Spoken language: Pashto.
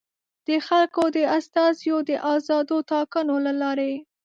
د خلکو د استازیو د ازادو ټاکنو له لارې.